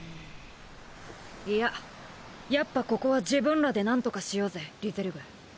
いややっぱここは自分らでなんとかしようぜリゼルグ。